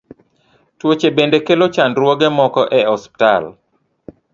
Tuoche bende kelo chandruoge moko e osiptal.